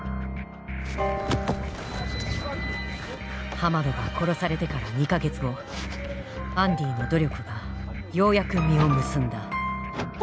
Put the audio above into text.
ハマドが殺されてから２か月後アンディの努力がようやく実を結んだ。